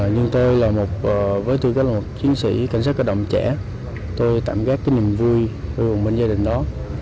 nhưng tôi là một chiến sĩ cảnh sát cơ động trẻ tôi tạm gác cái niềm vui vui vùng bên gia đình đó